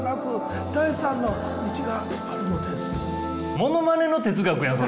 ものまねの哲学やん！